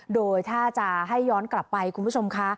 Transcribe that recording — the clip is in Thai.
โดยถ้าจะให้ย้อนกลับไปคุณผู้ชมค่ะ